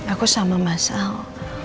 aku sama mas al